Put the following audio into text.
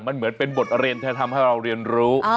มันเหมือนเป็นบทเรียนที่ทำให้เราเรียนรู้